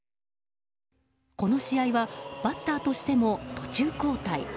この試合はバッターとしても途中交代。